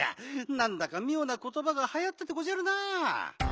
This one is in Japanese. なんだかみょうなことばがはやったでごじゃるな。